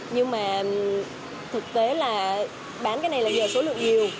nhưng mà thực tế là bán cái này là giờ số lượng nhiều